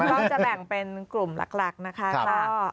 ก็จะแบ่งเป็นกลุ่มหลักนะคะ